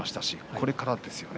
これからですね。